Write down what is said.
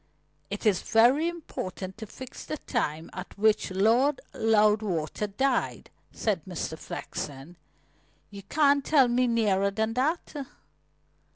"It is very important to fix the time at which Lord Loudwater died," said Mr. Flexen. "You can't tell me nearer than that?"